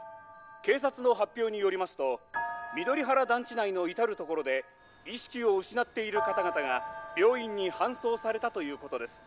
警察の発表によりますと緑原団地内の至る所で意識を失っている方々が病院に搬送されたということです。